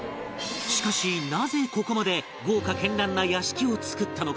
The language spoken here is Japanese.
しかしなぜここまで豪華絢爛な屋敷を造ったのか